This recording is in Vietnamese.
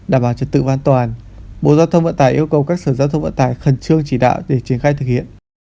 đảm bảo trật tự an toàn bộ giao thông vận tải yêu cầu các sở giao thông vận tải khẩn trương chỉ đạo để triển khai thực hiện